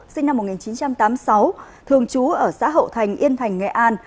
sinh năm một nghìn chín trăm tám mươi sáu thường trú ở xã hậu thành yên thành nghệ an